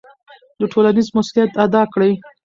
ټولنیز مسوولیت ادا کړئ.